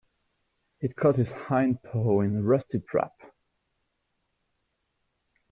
It caught its hind paw in a rusty trap.